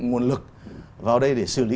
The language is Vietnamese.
nguồn lực vào đây để xử lý